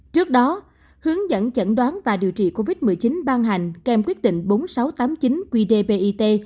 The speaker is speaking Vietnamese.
trước đó hướng dẫn chẩn đoán và điều trị covid một mươi chín ban hành kèm quyết định bốn nghìn sáu trăm tám mươi chín qdpit